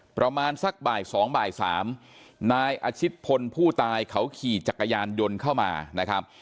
ประมาณสักบ่ายสองบ่ายสามนายอาชิตพลผู้ตายเขาขี่จักรยานยนต์เข้ามานะครับ